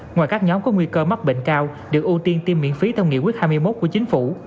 ngoài các nhóm có nguy cơ mắc bệnh cao được ưu tiên tiêm miễn phí theo nghị quyết hai mươi một của chính phủ